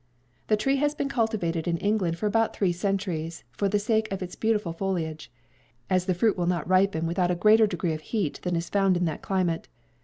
The tree has been cultivated in England for about three centuries for the sake of its beautiful foliage, as the fruit will not ripen without a greater degree of heat than is found in that climate.